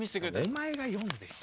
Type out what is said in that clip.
お前が読んでよ。